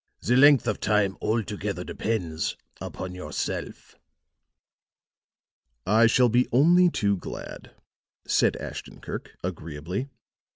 The length of time altogether depends upon yourself." "I shall be only too glad," said Ashton Kirk, agreeably.